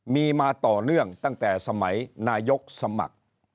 มีมาต่อเนื่องตั้งแต่สมัยนายกสมัคร